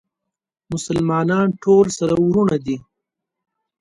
مسلمانان ټول سره وروڼه دي